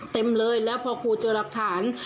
เต็มเลยแล้วพอครูเจอหลักฐาน